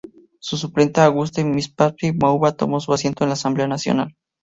Su suplente, Auguste Mpassi-Mouba, tomó su asiento en la Asamblea Nacional.